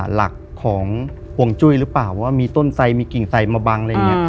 หลักของห่วงจุ้ยหรือเปล่าว่ามีต้นไสมีกิ่งไซมาบังอะไรอย่างนี้